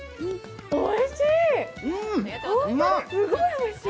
おいしい。